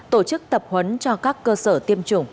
tổ chức tập huấn cho các cơ sở tiêm chủng